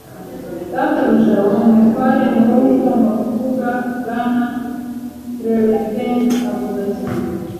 “Databuja, uri umutware. Ni wowe ugomba kuvuga. ”Bwana Trelawney abivuga cyane.